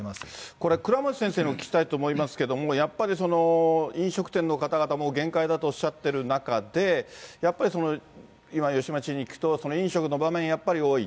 これ、倉持先生にお聞きしたいと思いますけれども、やっぱり、飲食店の方々、もう限界だとおっしゃってる中で、やっぱり、今吉村知事に聞くと、飲食の場面、やっぱり多い。